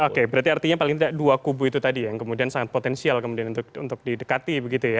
oke berarti artinya paling tidak dua kubu itu tadi yang kemudian sangat potensial kemudian untuk didekati begitu ya